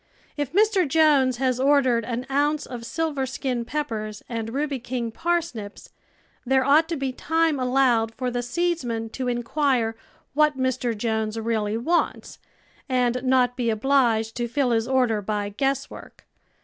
If Mr. Jones has ordered an ounce of silver skin jDcppers and rubj^' king parsnips, there ought to be time allowed for the seedsman to inquire what Mr. Jones really wants, and not be obliged to fill his order by guesswork.